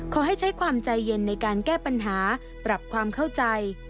ขอให้ใช้ความใจเย็นในการแก้ปัญหาปรับความเข้าใจ